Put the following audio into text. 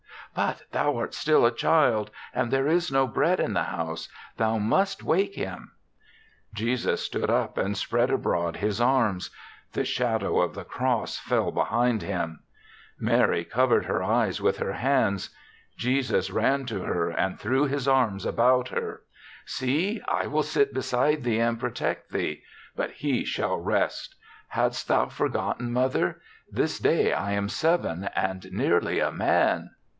"But thou art still a child, and there is no bread in the house. Thou must wake him." Jesus stood up and spread abroad his arms ; the shadow of the cross fell behind him. Mary covered her eyes with her hands. Jesus ran to her and threw his arms about her. "See, I THE SEVENTH CHRISTMAS 17 will sit beside thee and protect thee ; but he shall rest, Hadst thou forgot ten, mother? — this day I am seven and nearly a man."